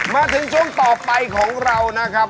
มาถึงช่วงต่อไปของเรานะครับ